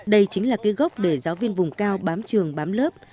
đây chính là cái gốc để giáo viên vùng cao bám trường bám lớp